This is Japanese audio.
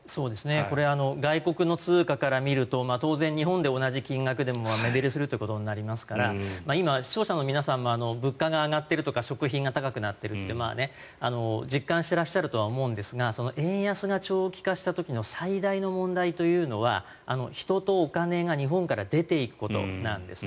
これは外国の通貨から見ると当然、日本で同じ金額でも目減りすることになりますから今、視聴者の皆さんも物価が上がっている食品が高くなっていると実感していらっしゃると思うんですが円安が長期化した時の最大の問題というのは人とお金が日本から出ていくことなんです。